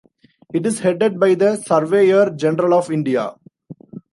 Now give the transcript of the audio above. It is headed by the Surveyor General of India.